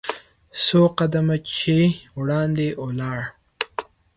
څو قدمه چې وړاندې ولاړ .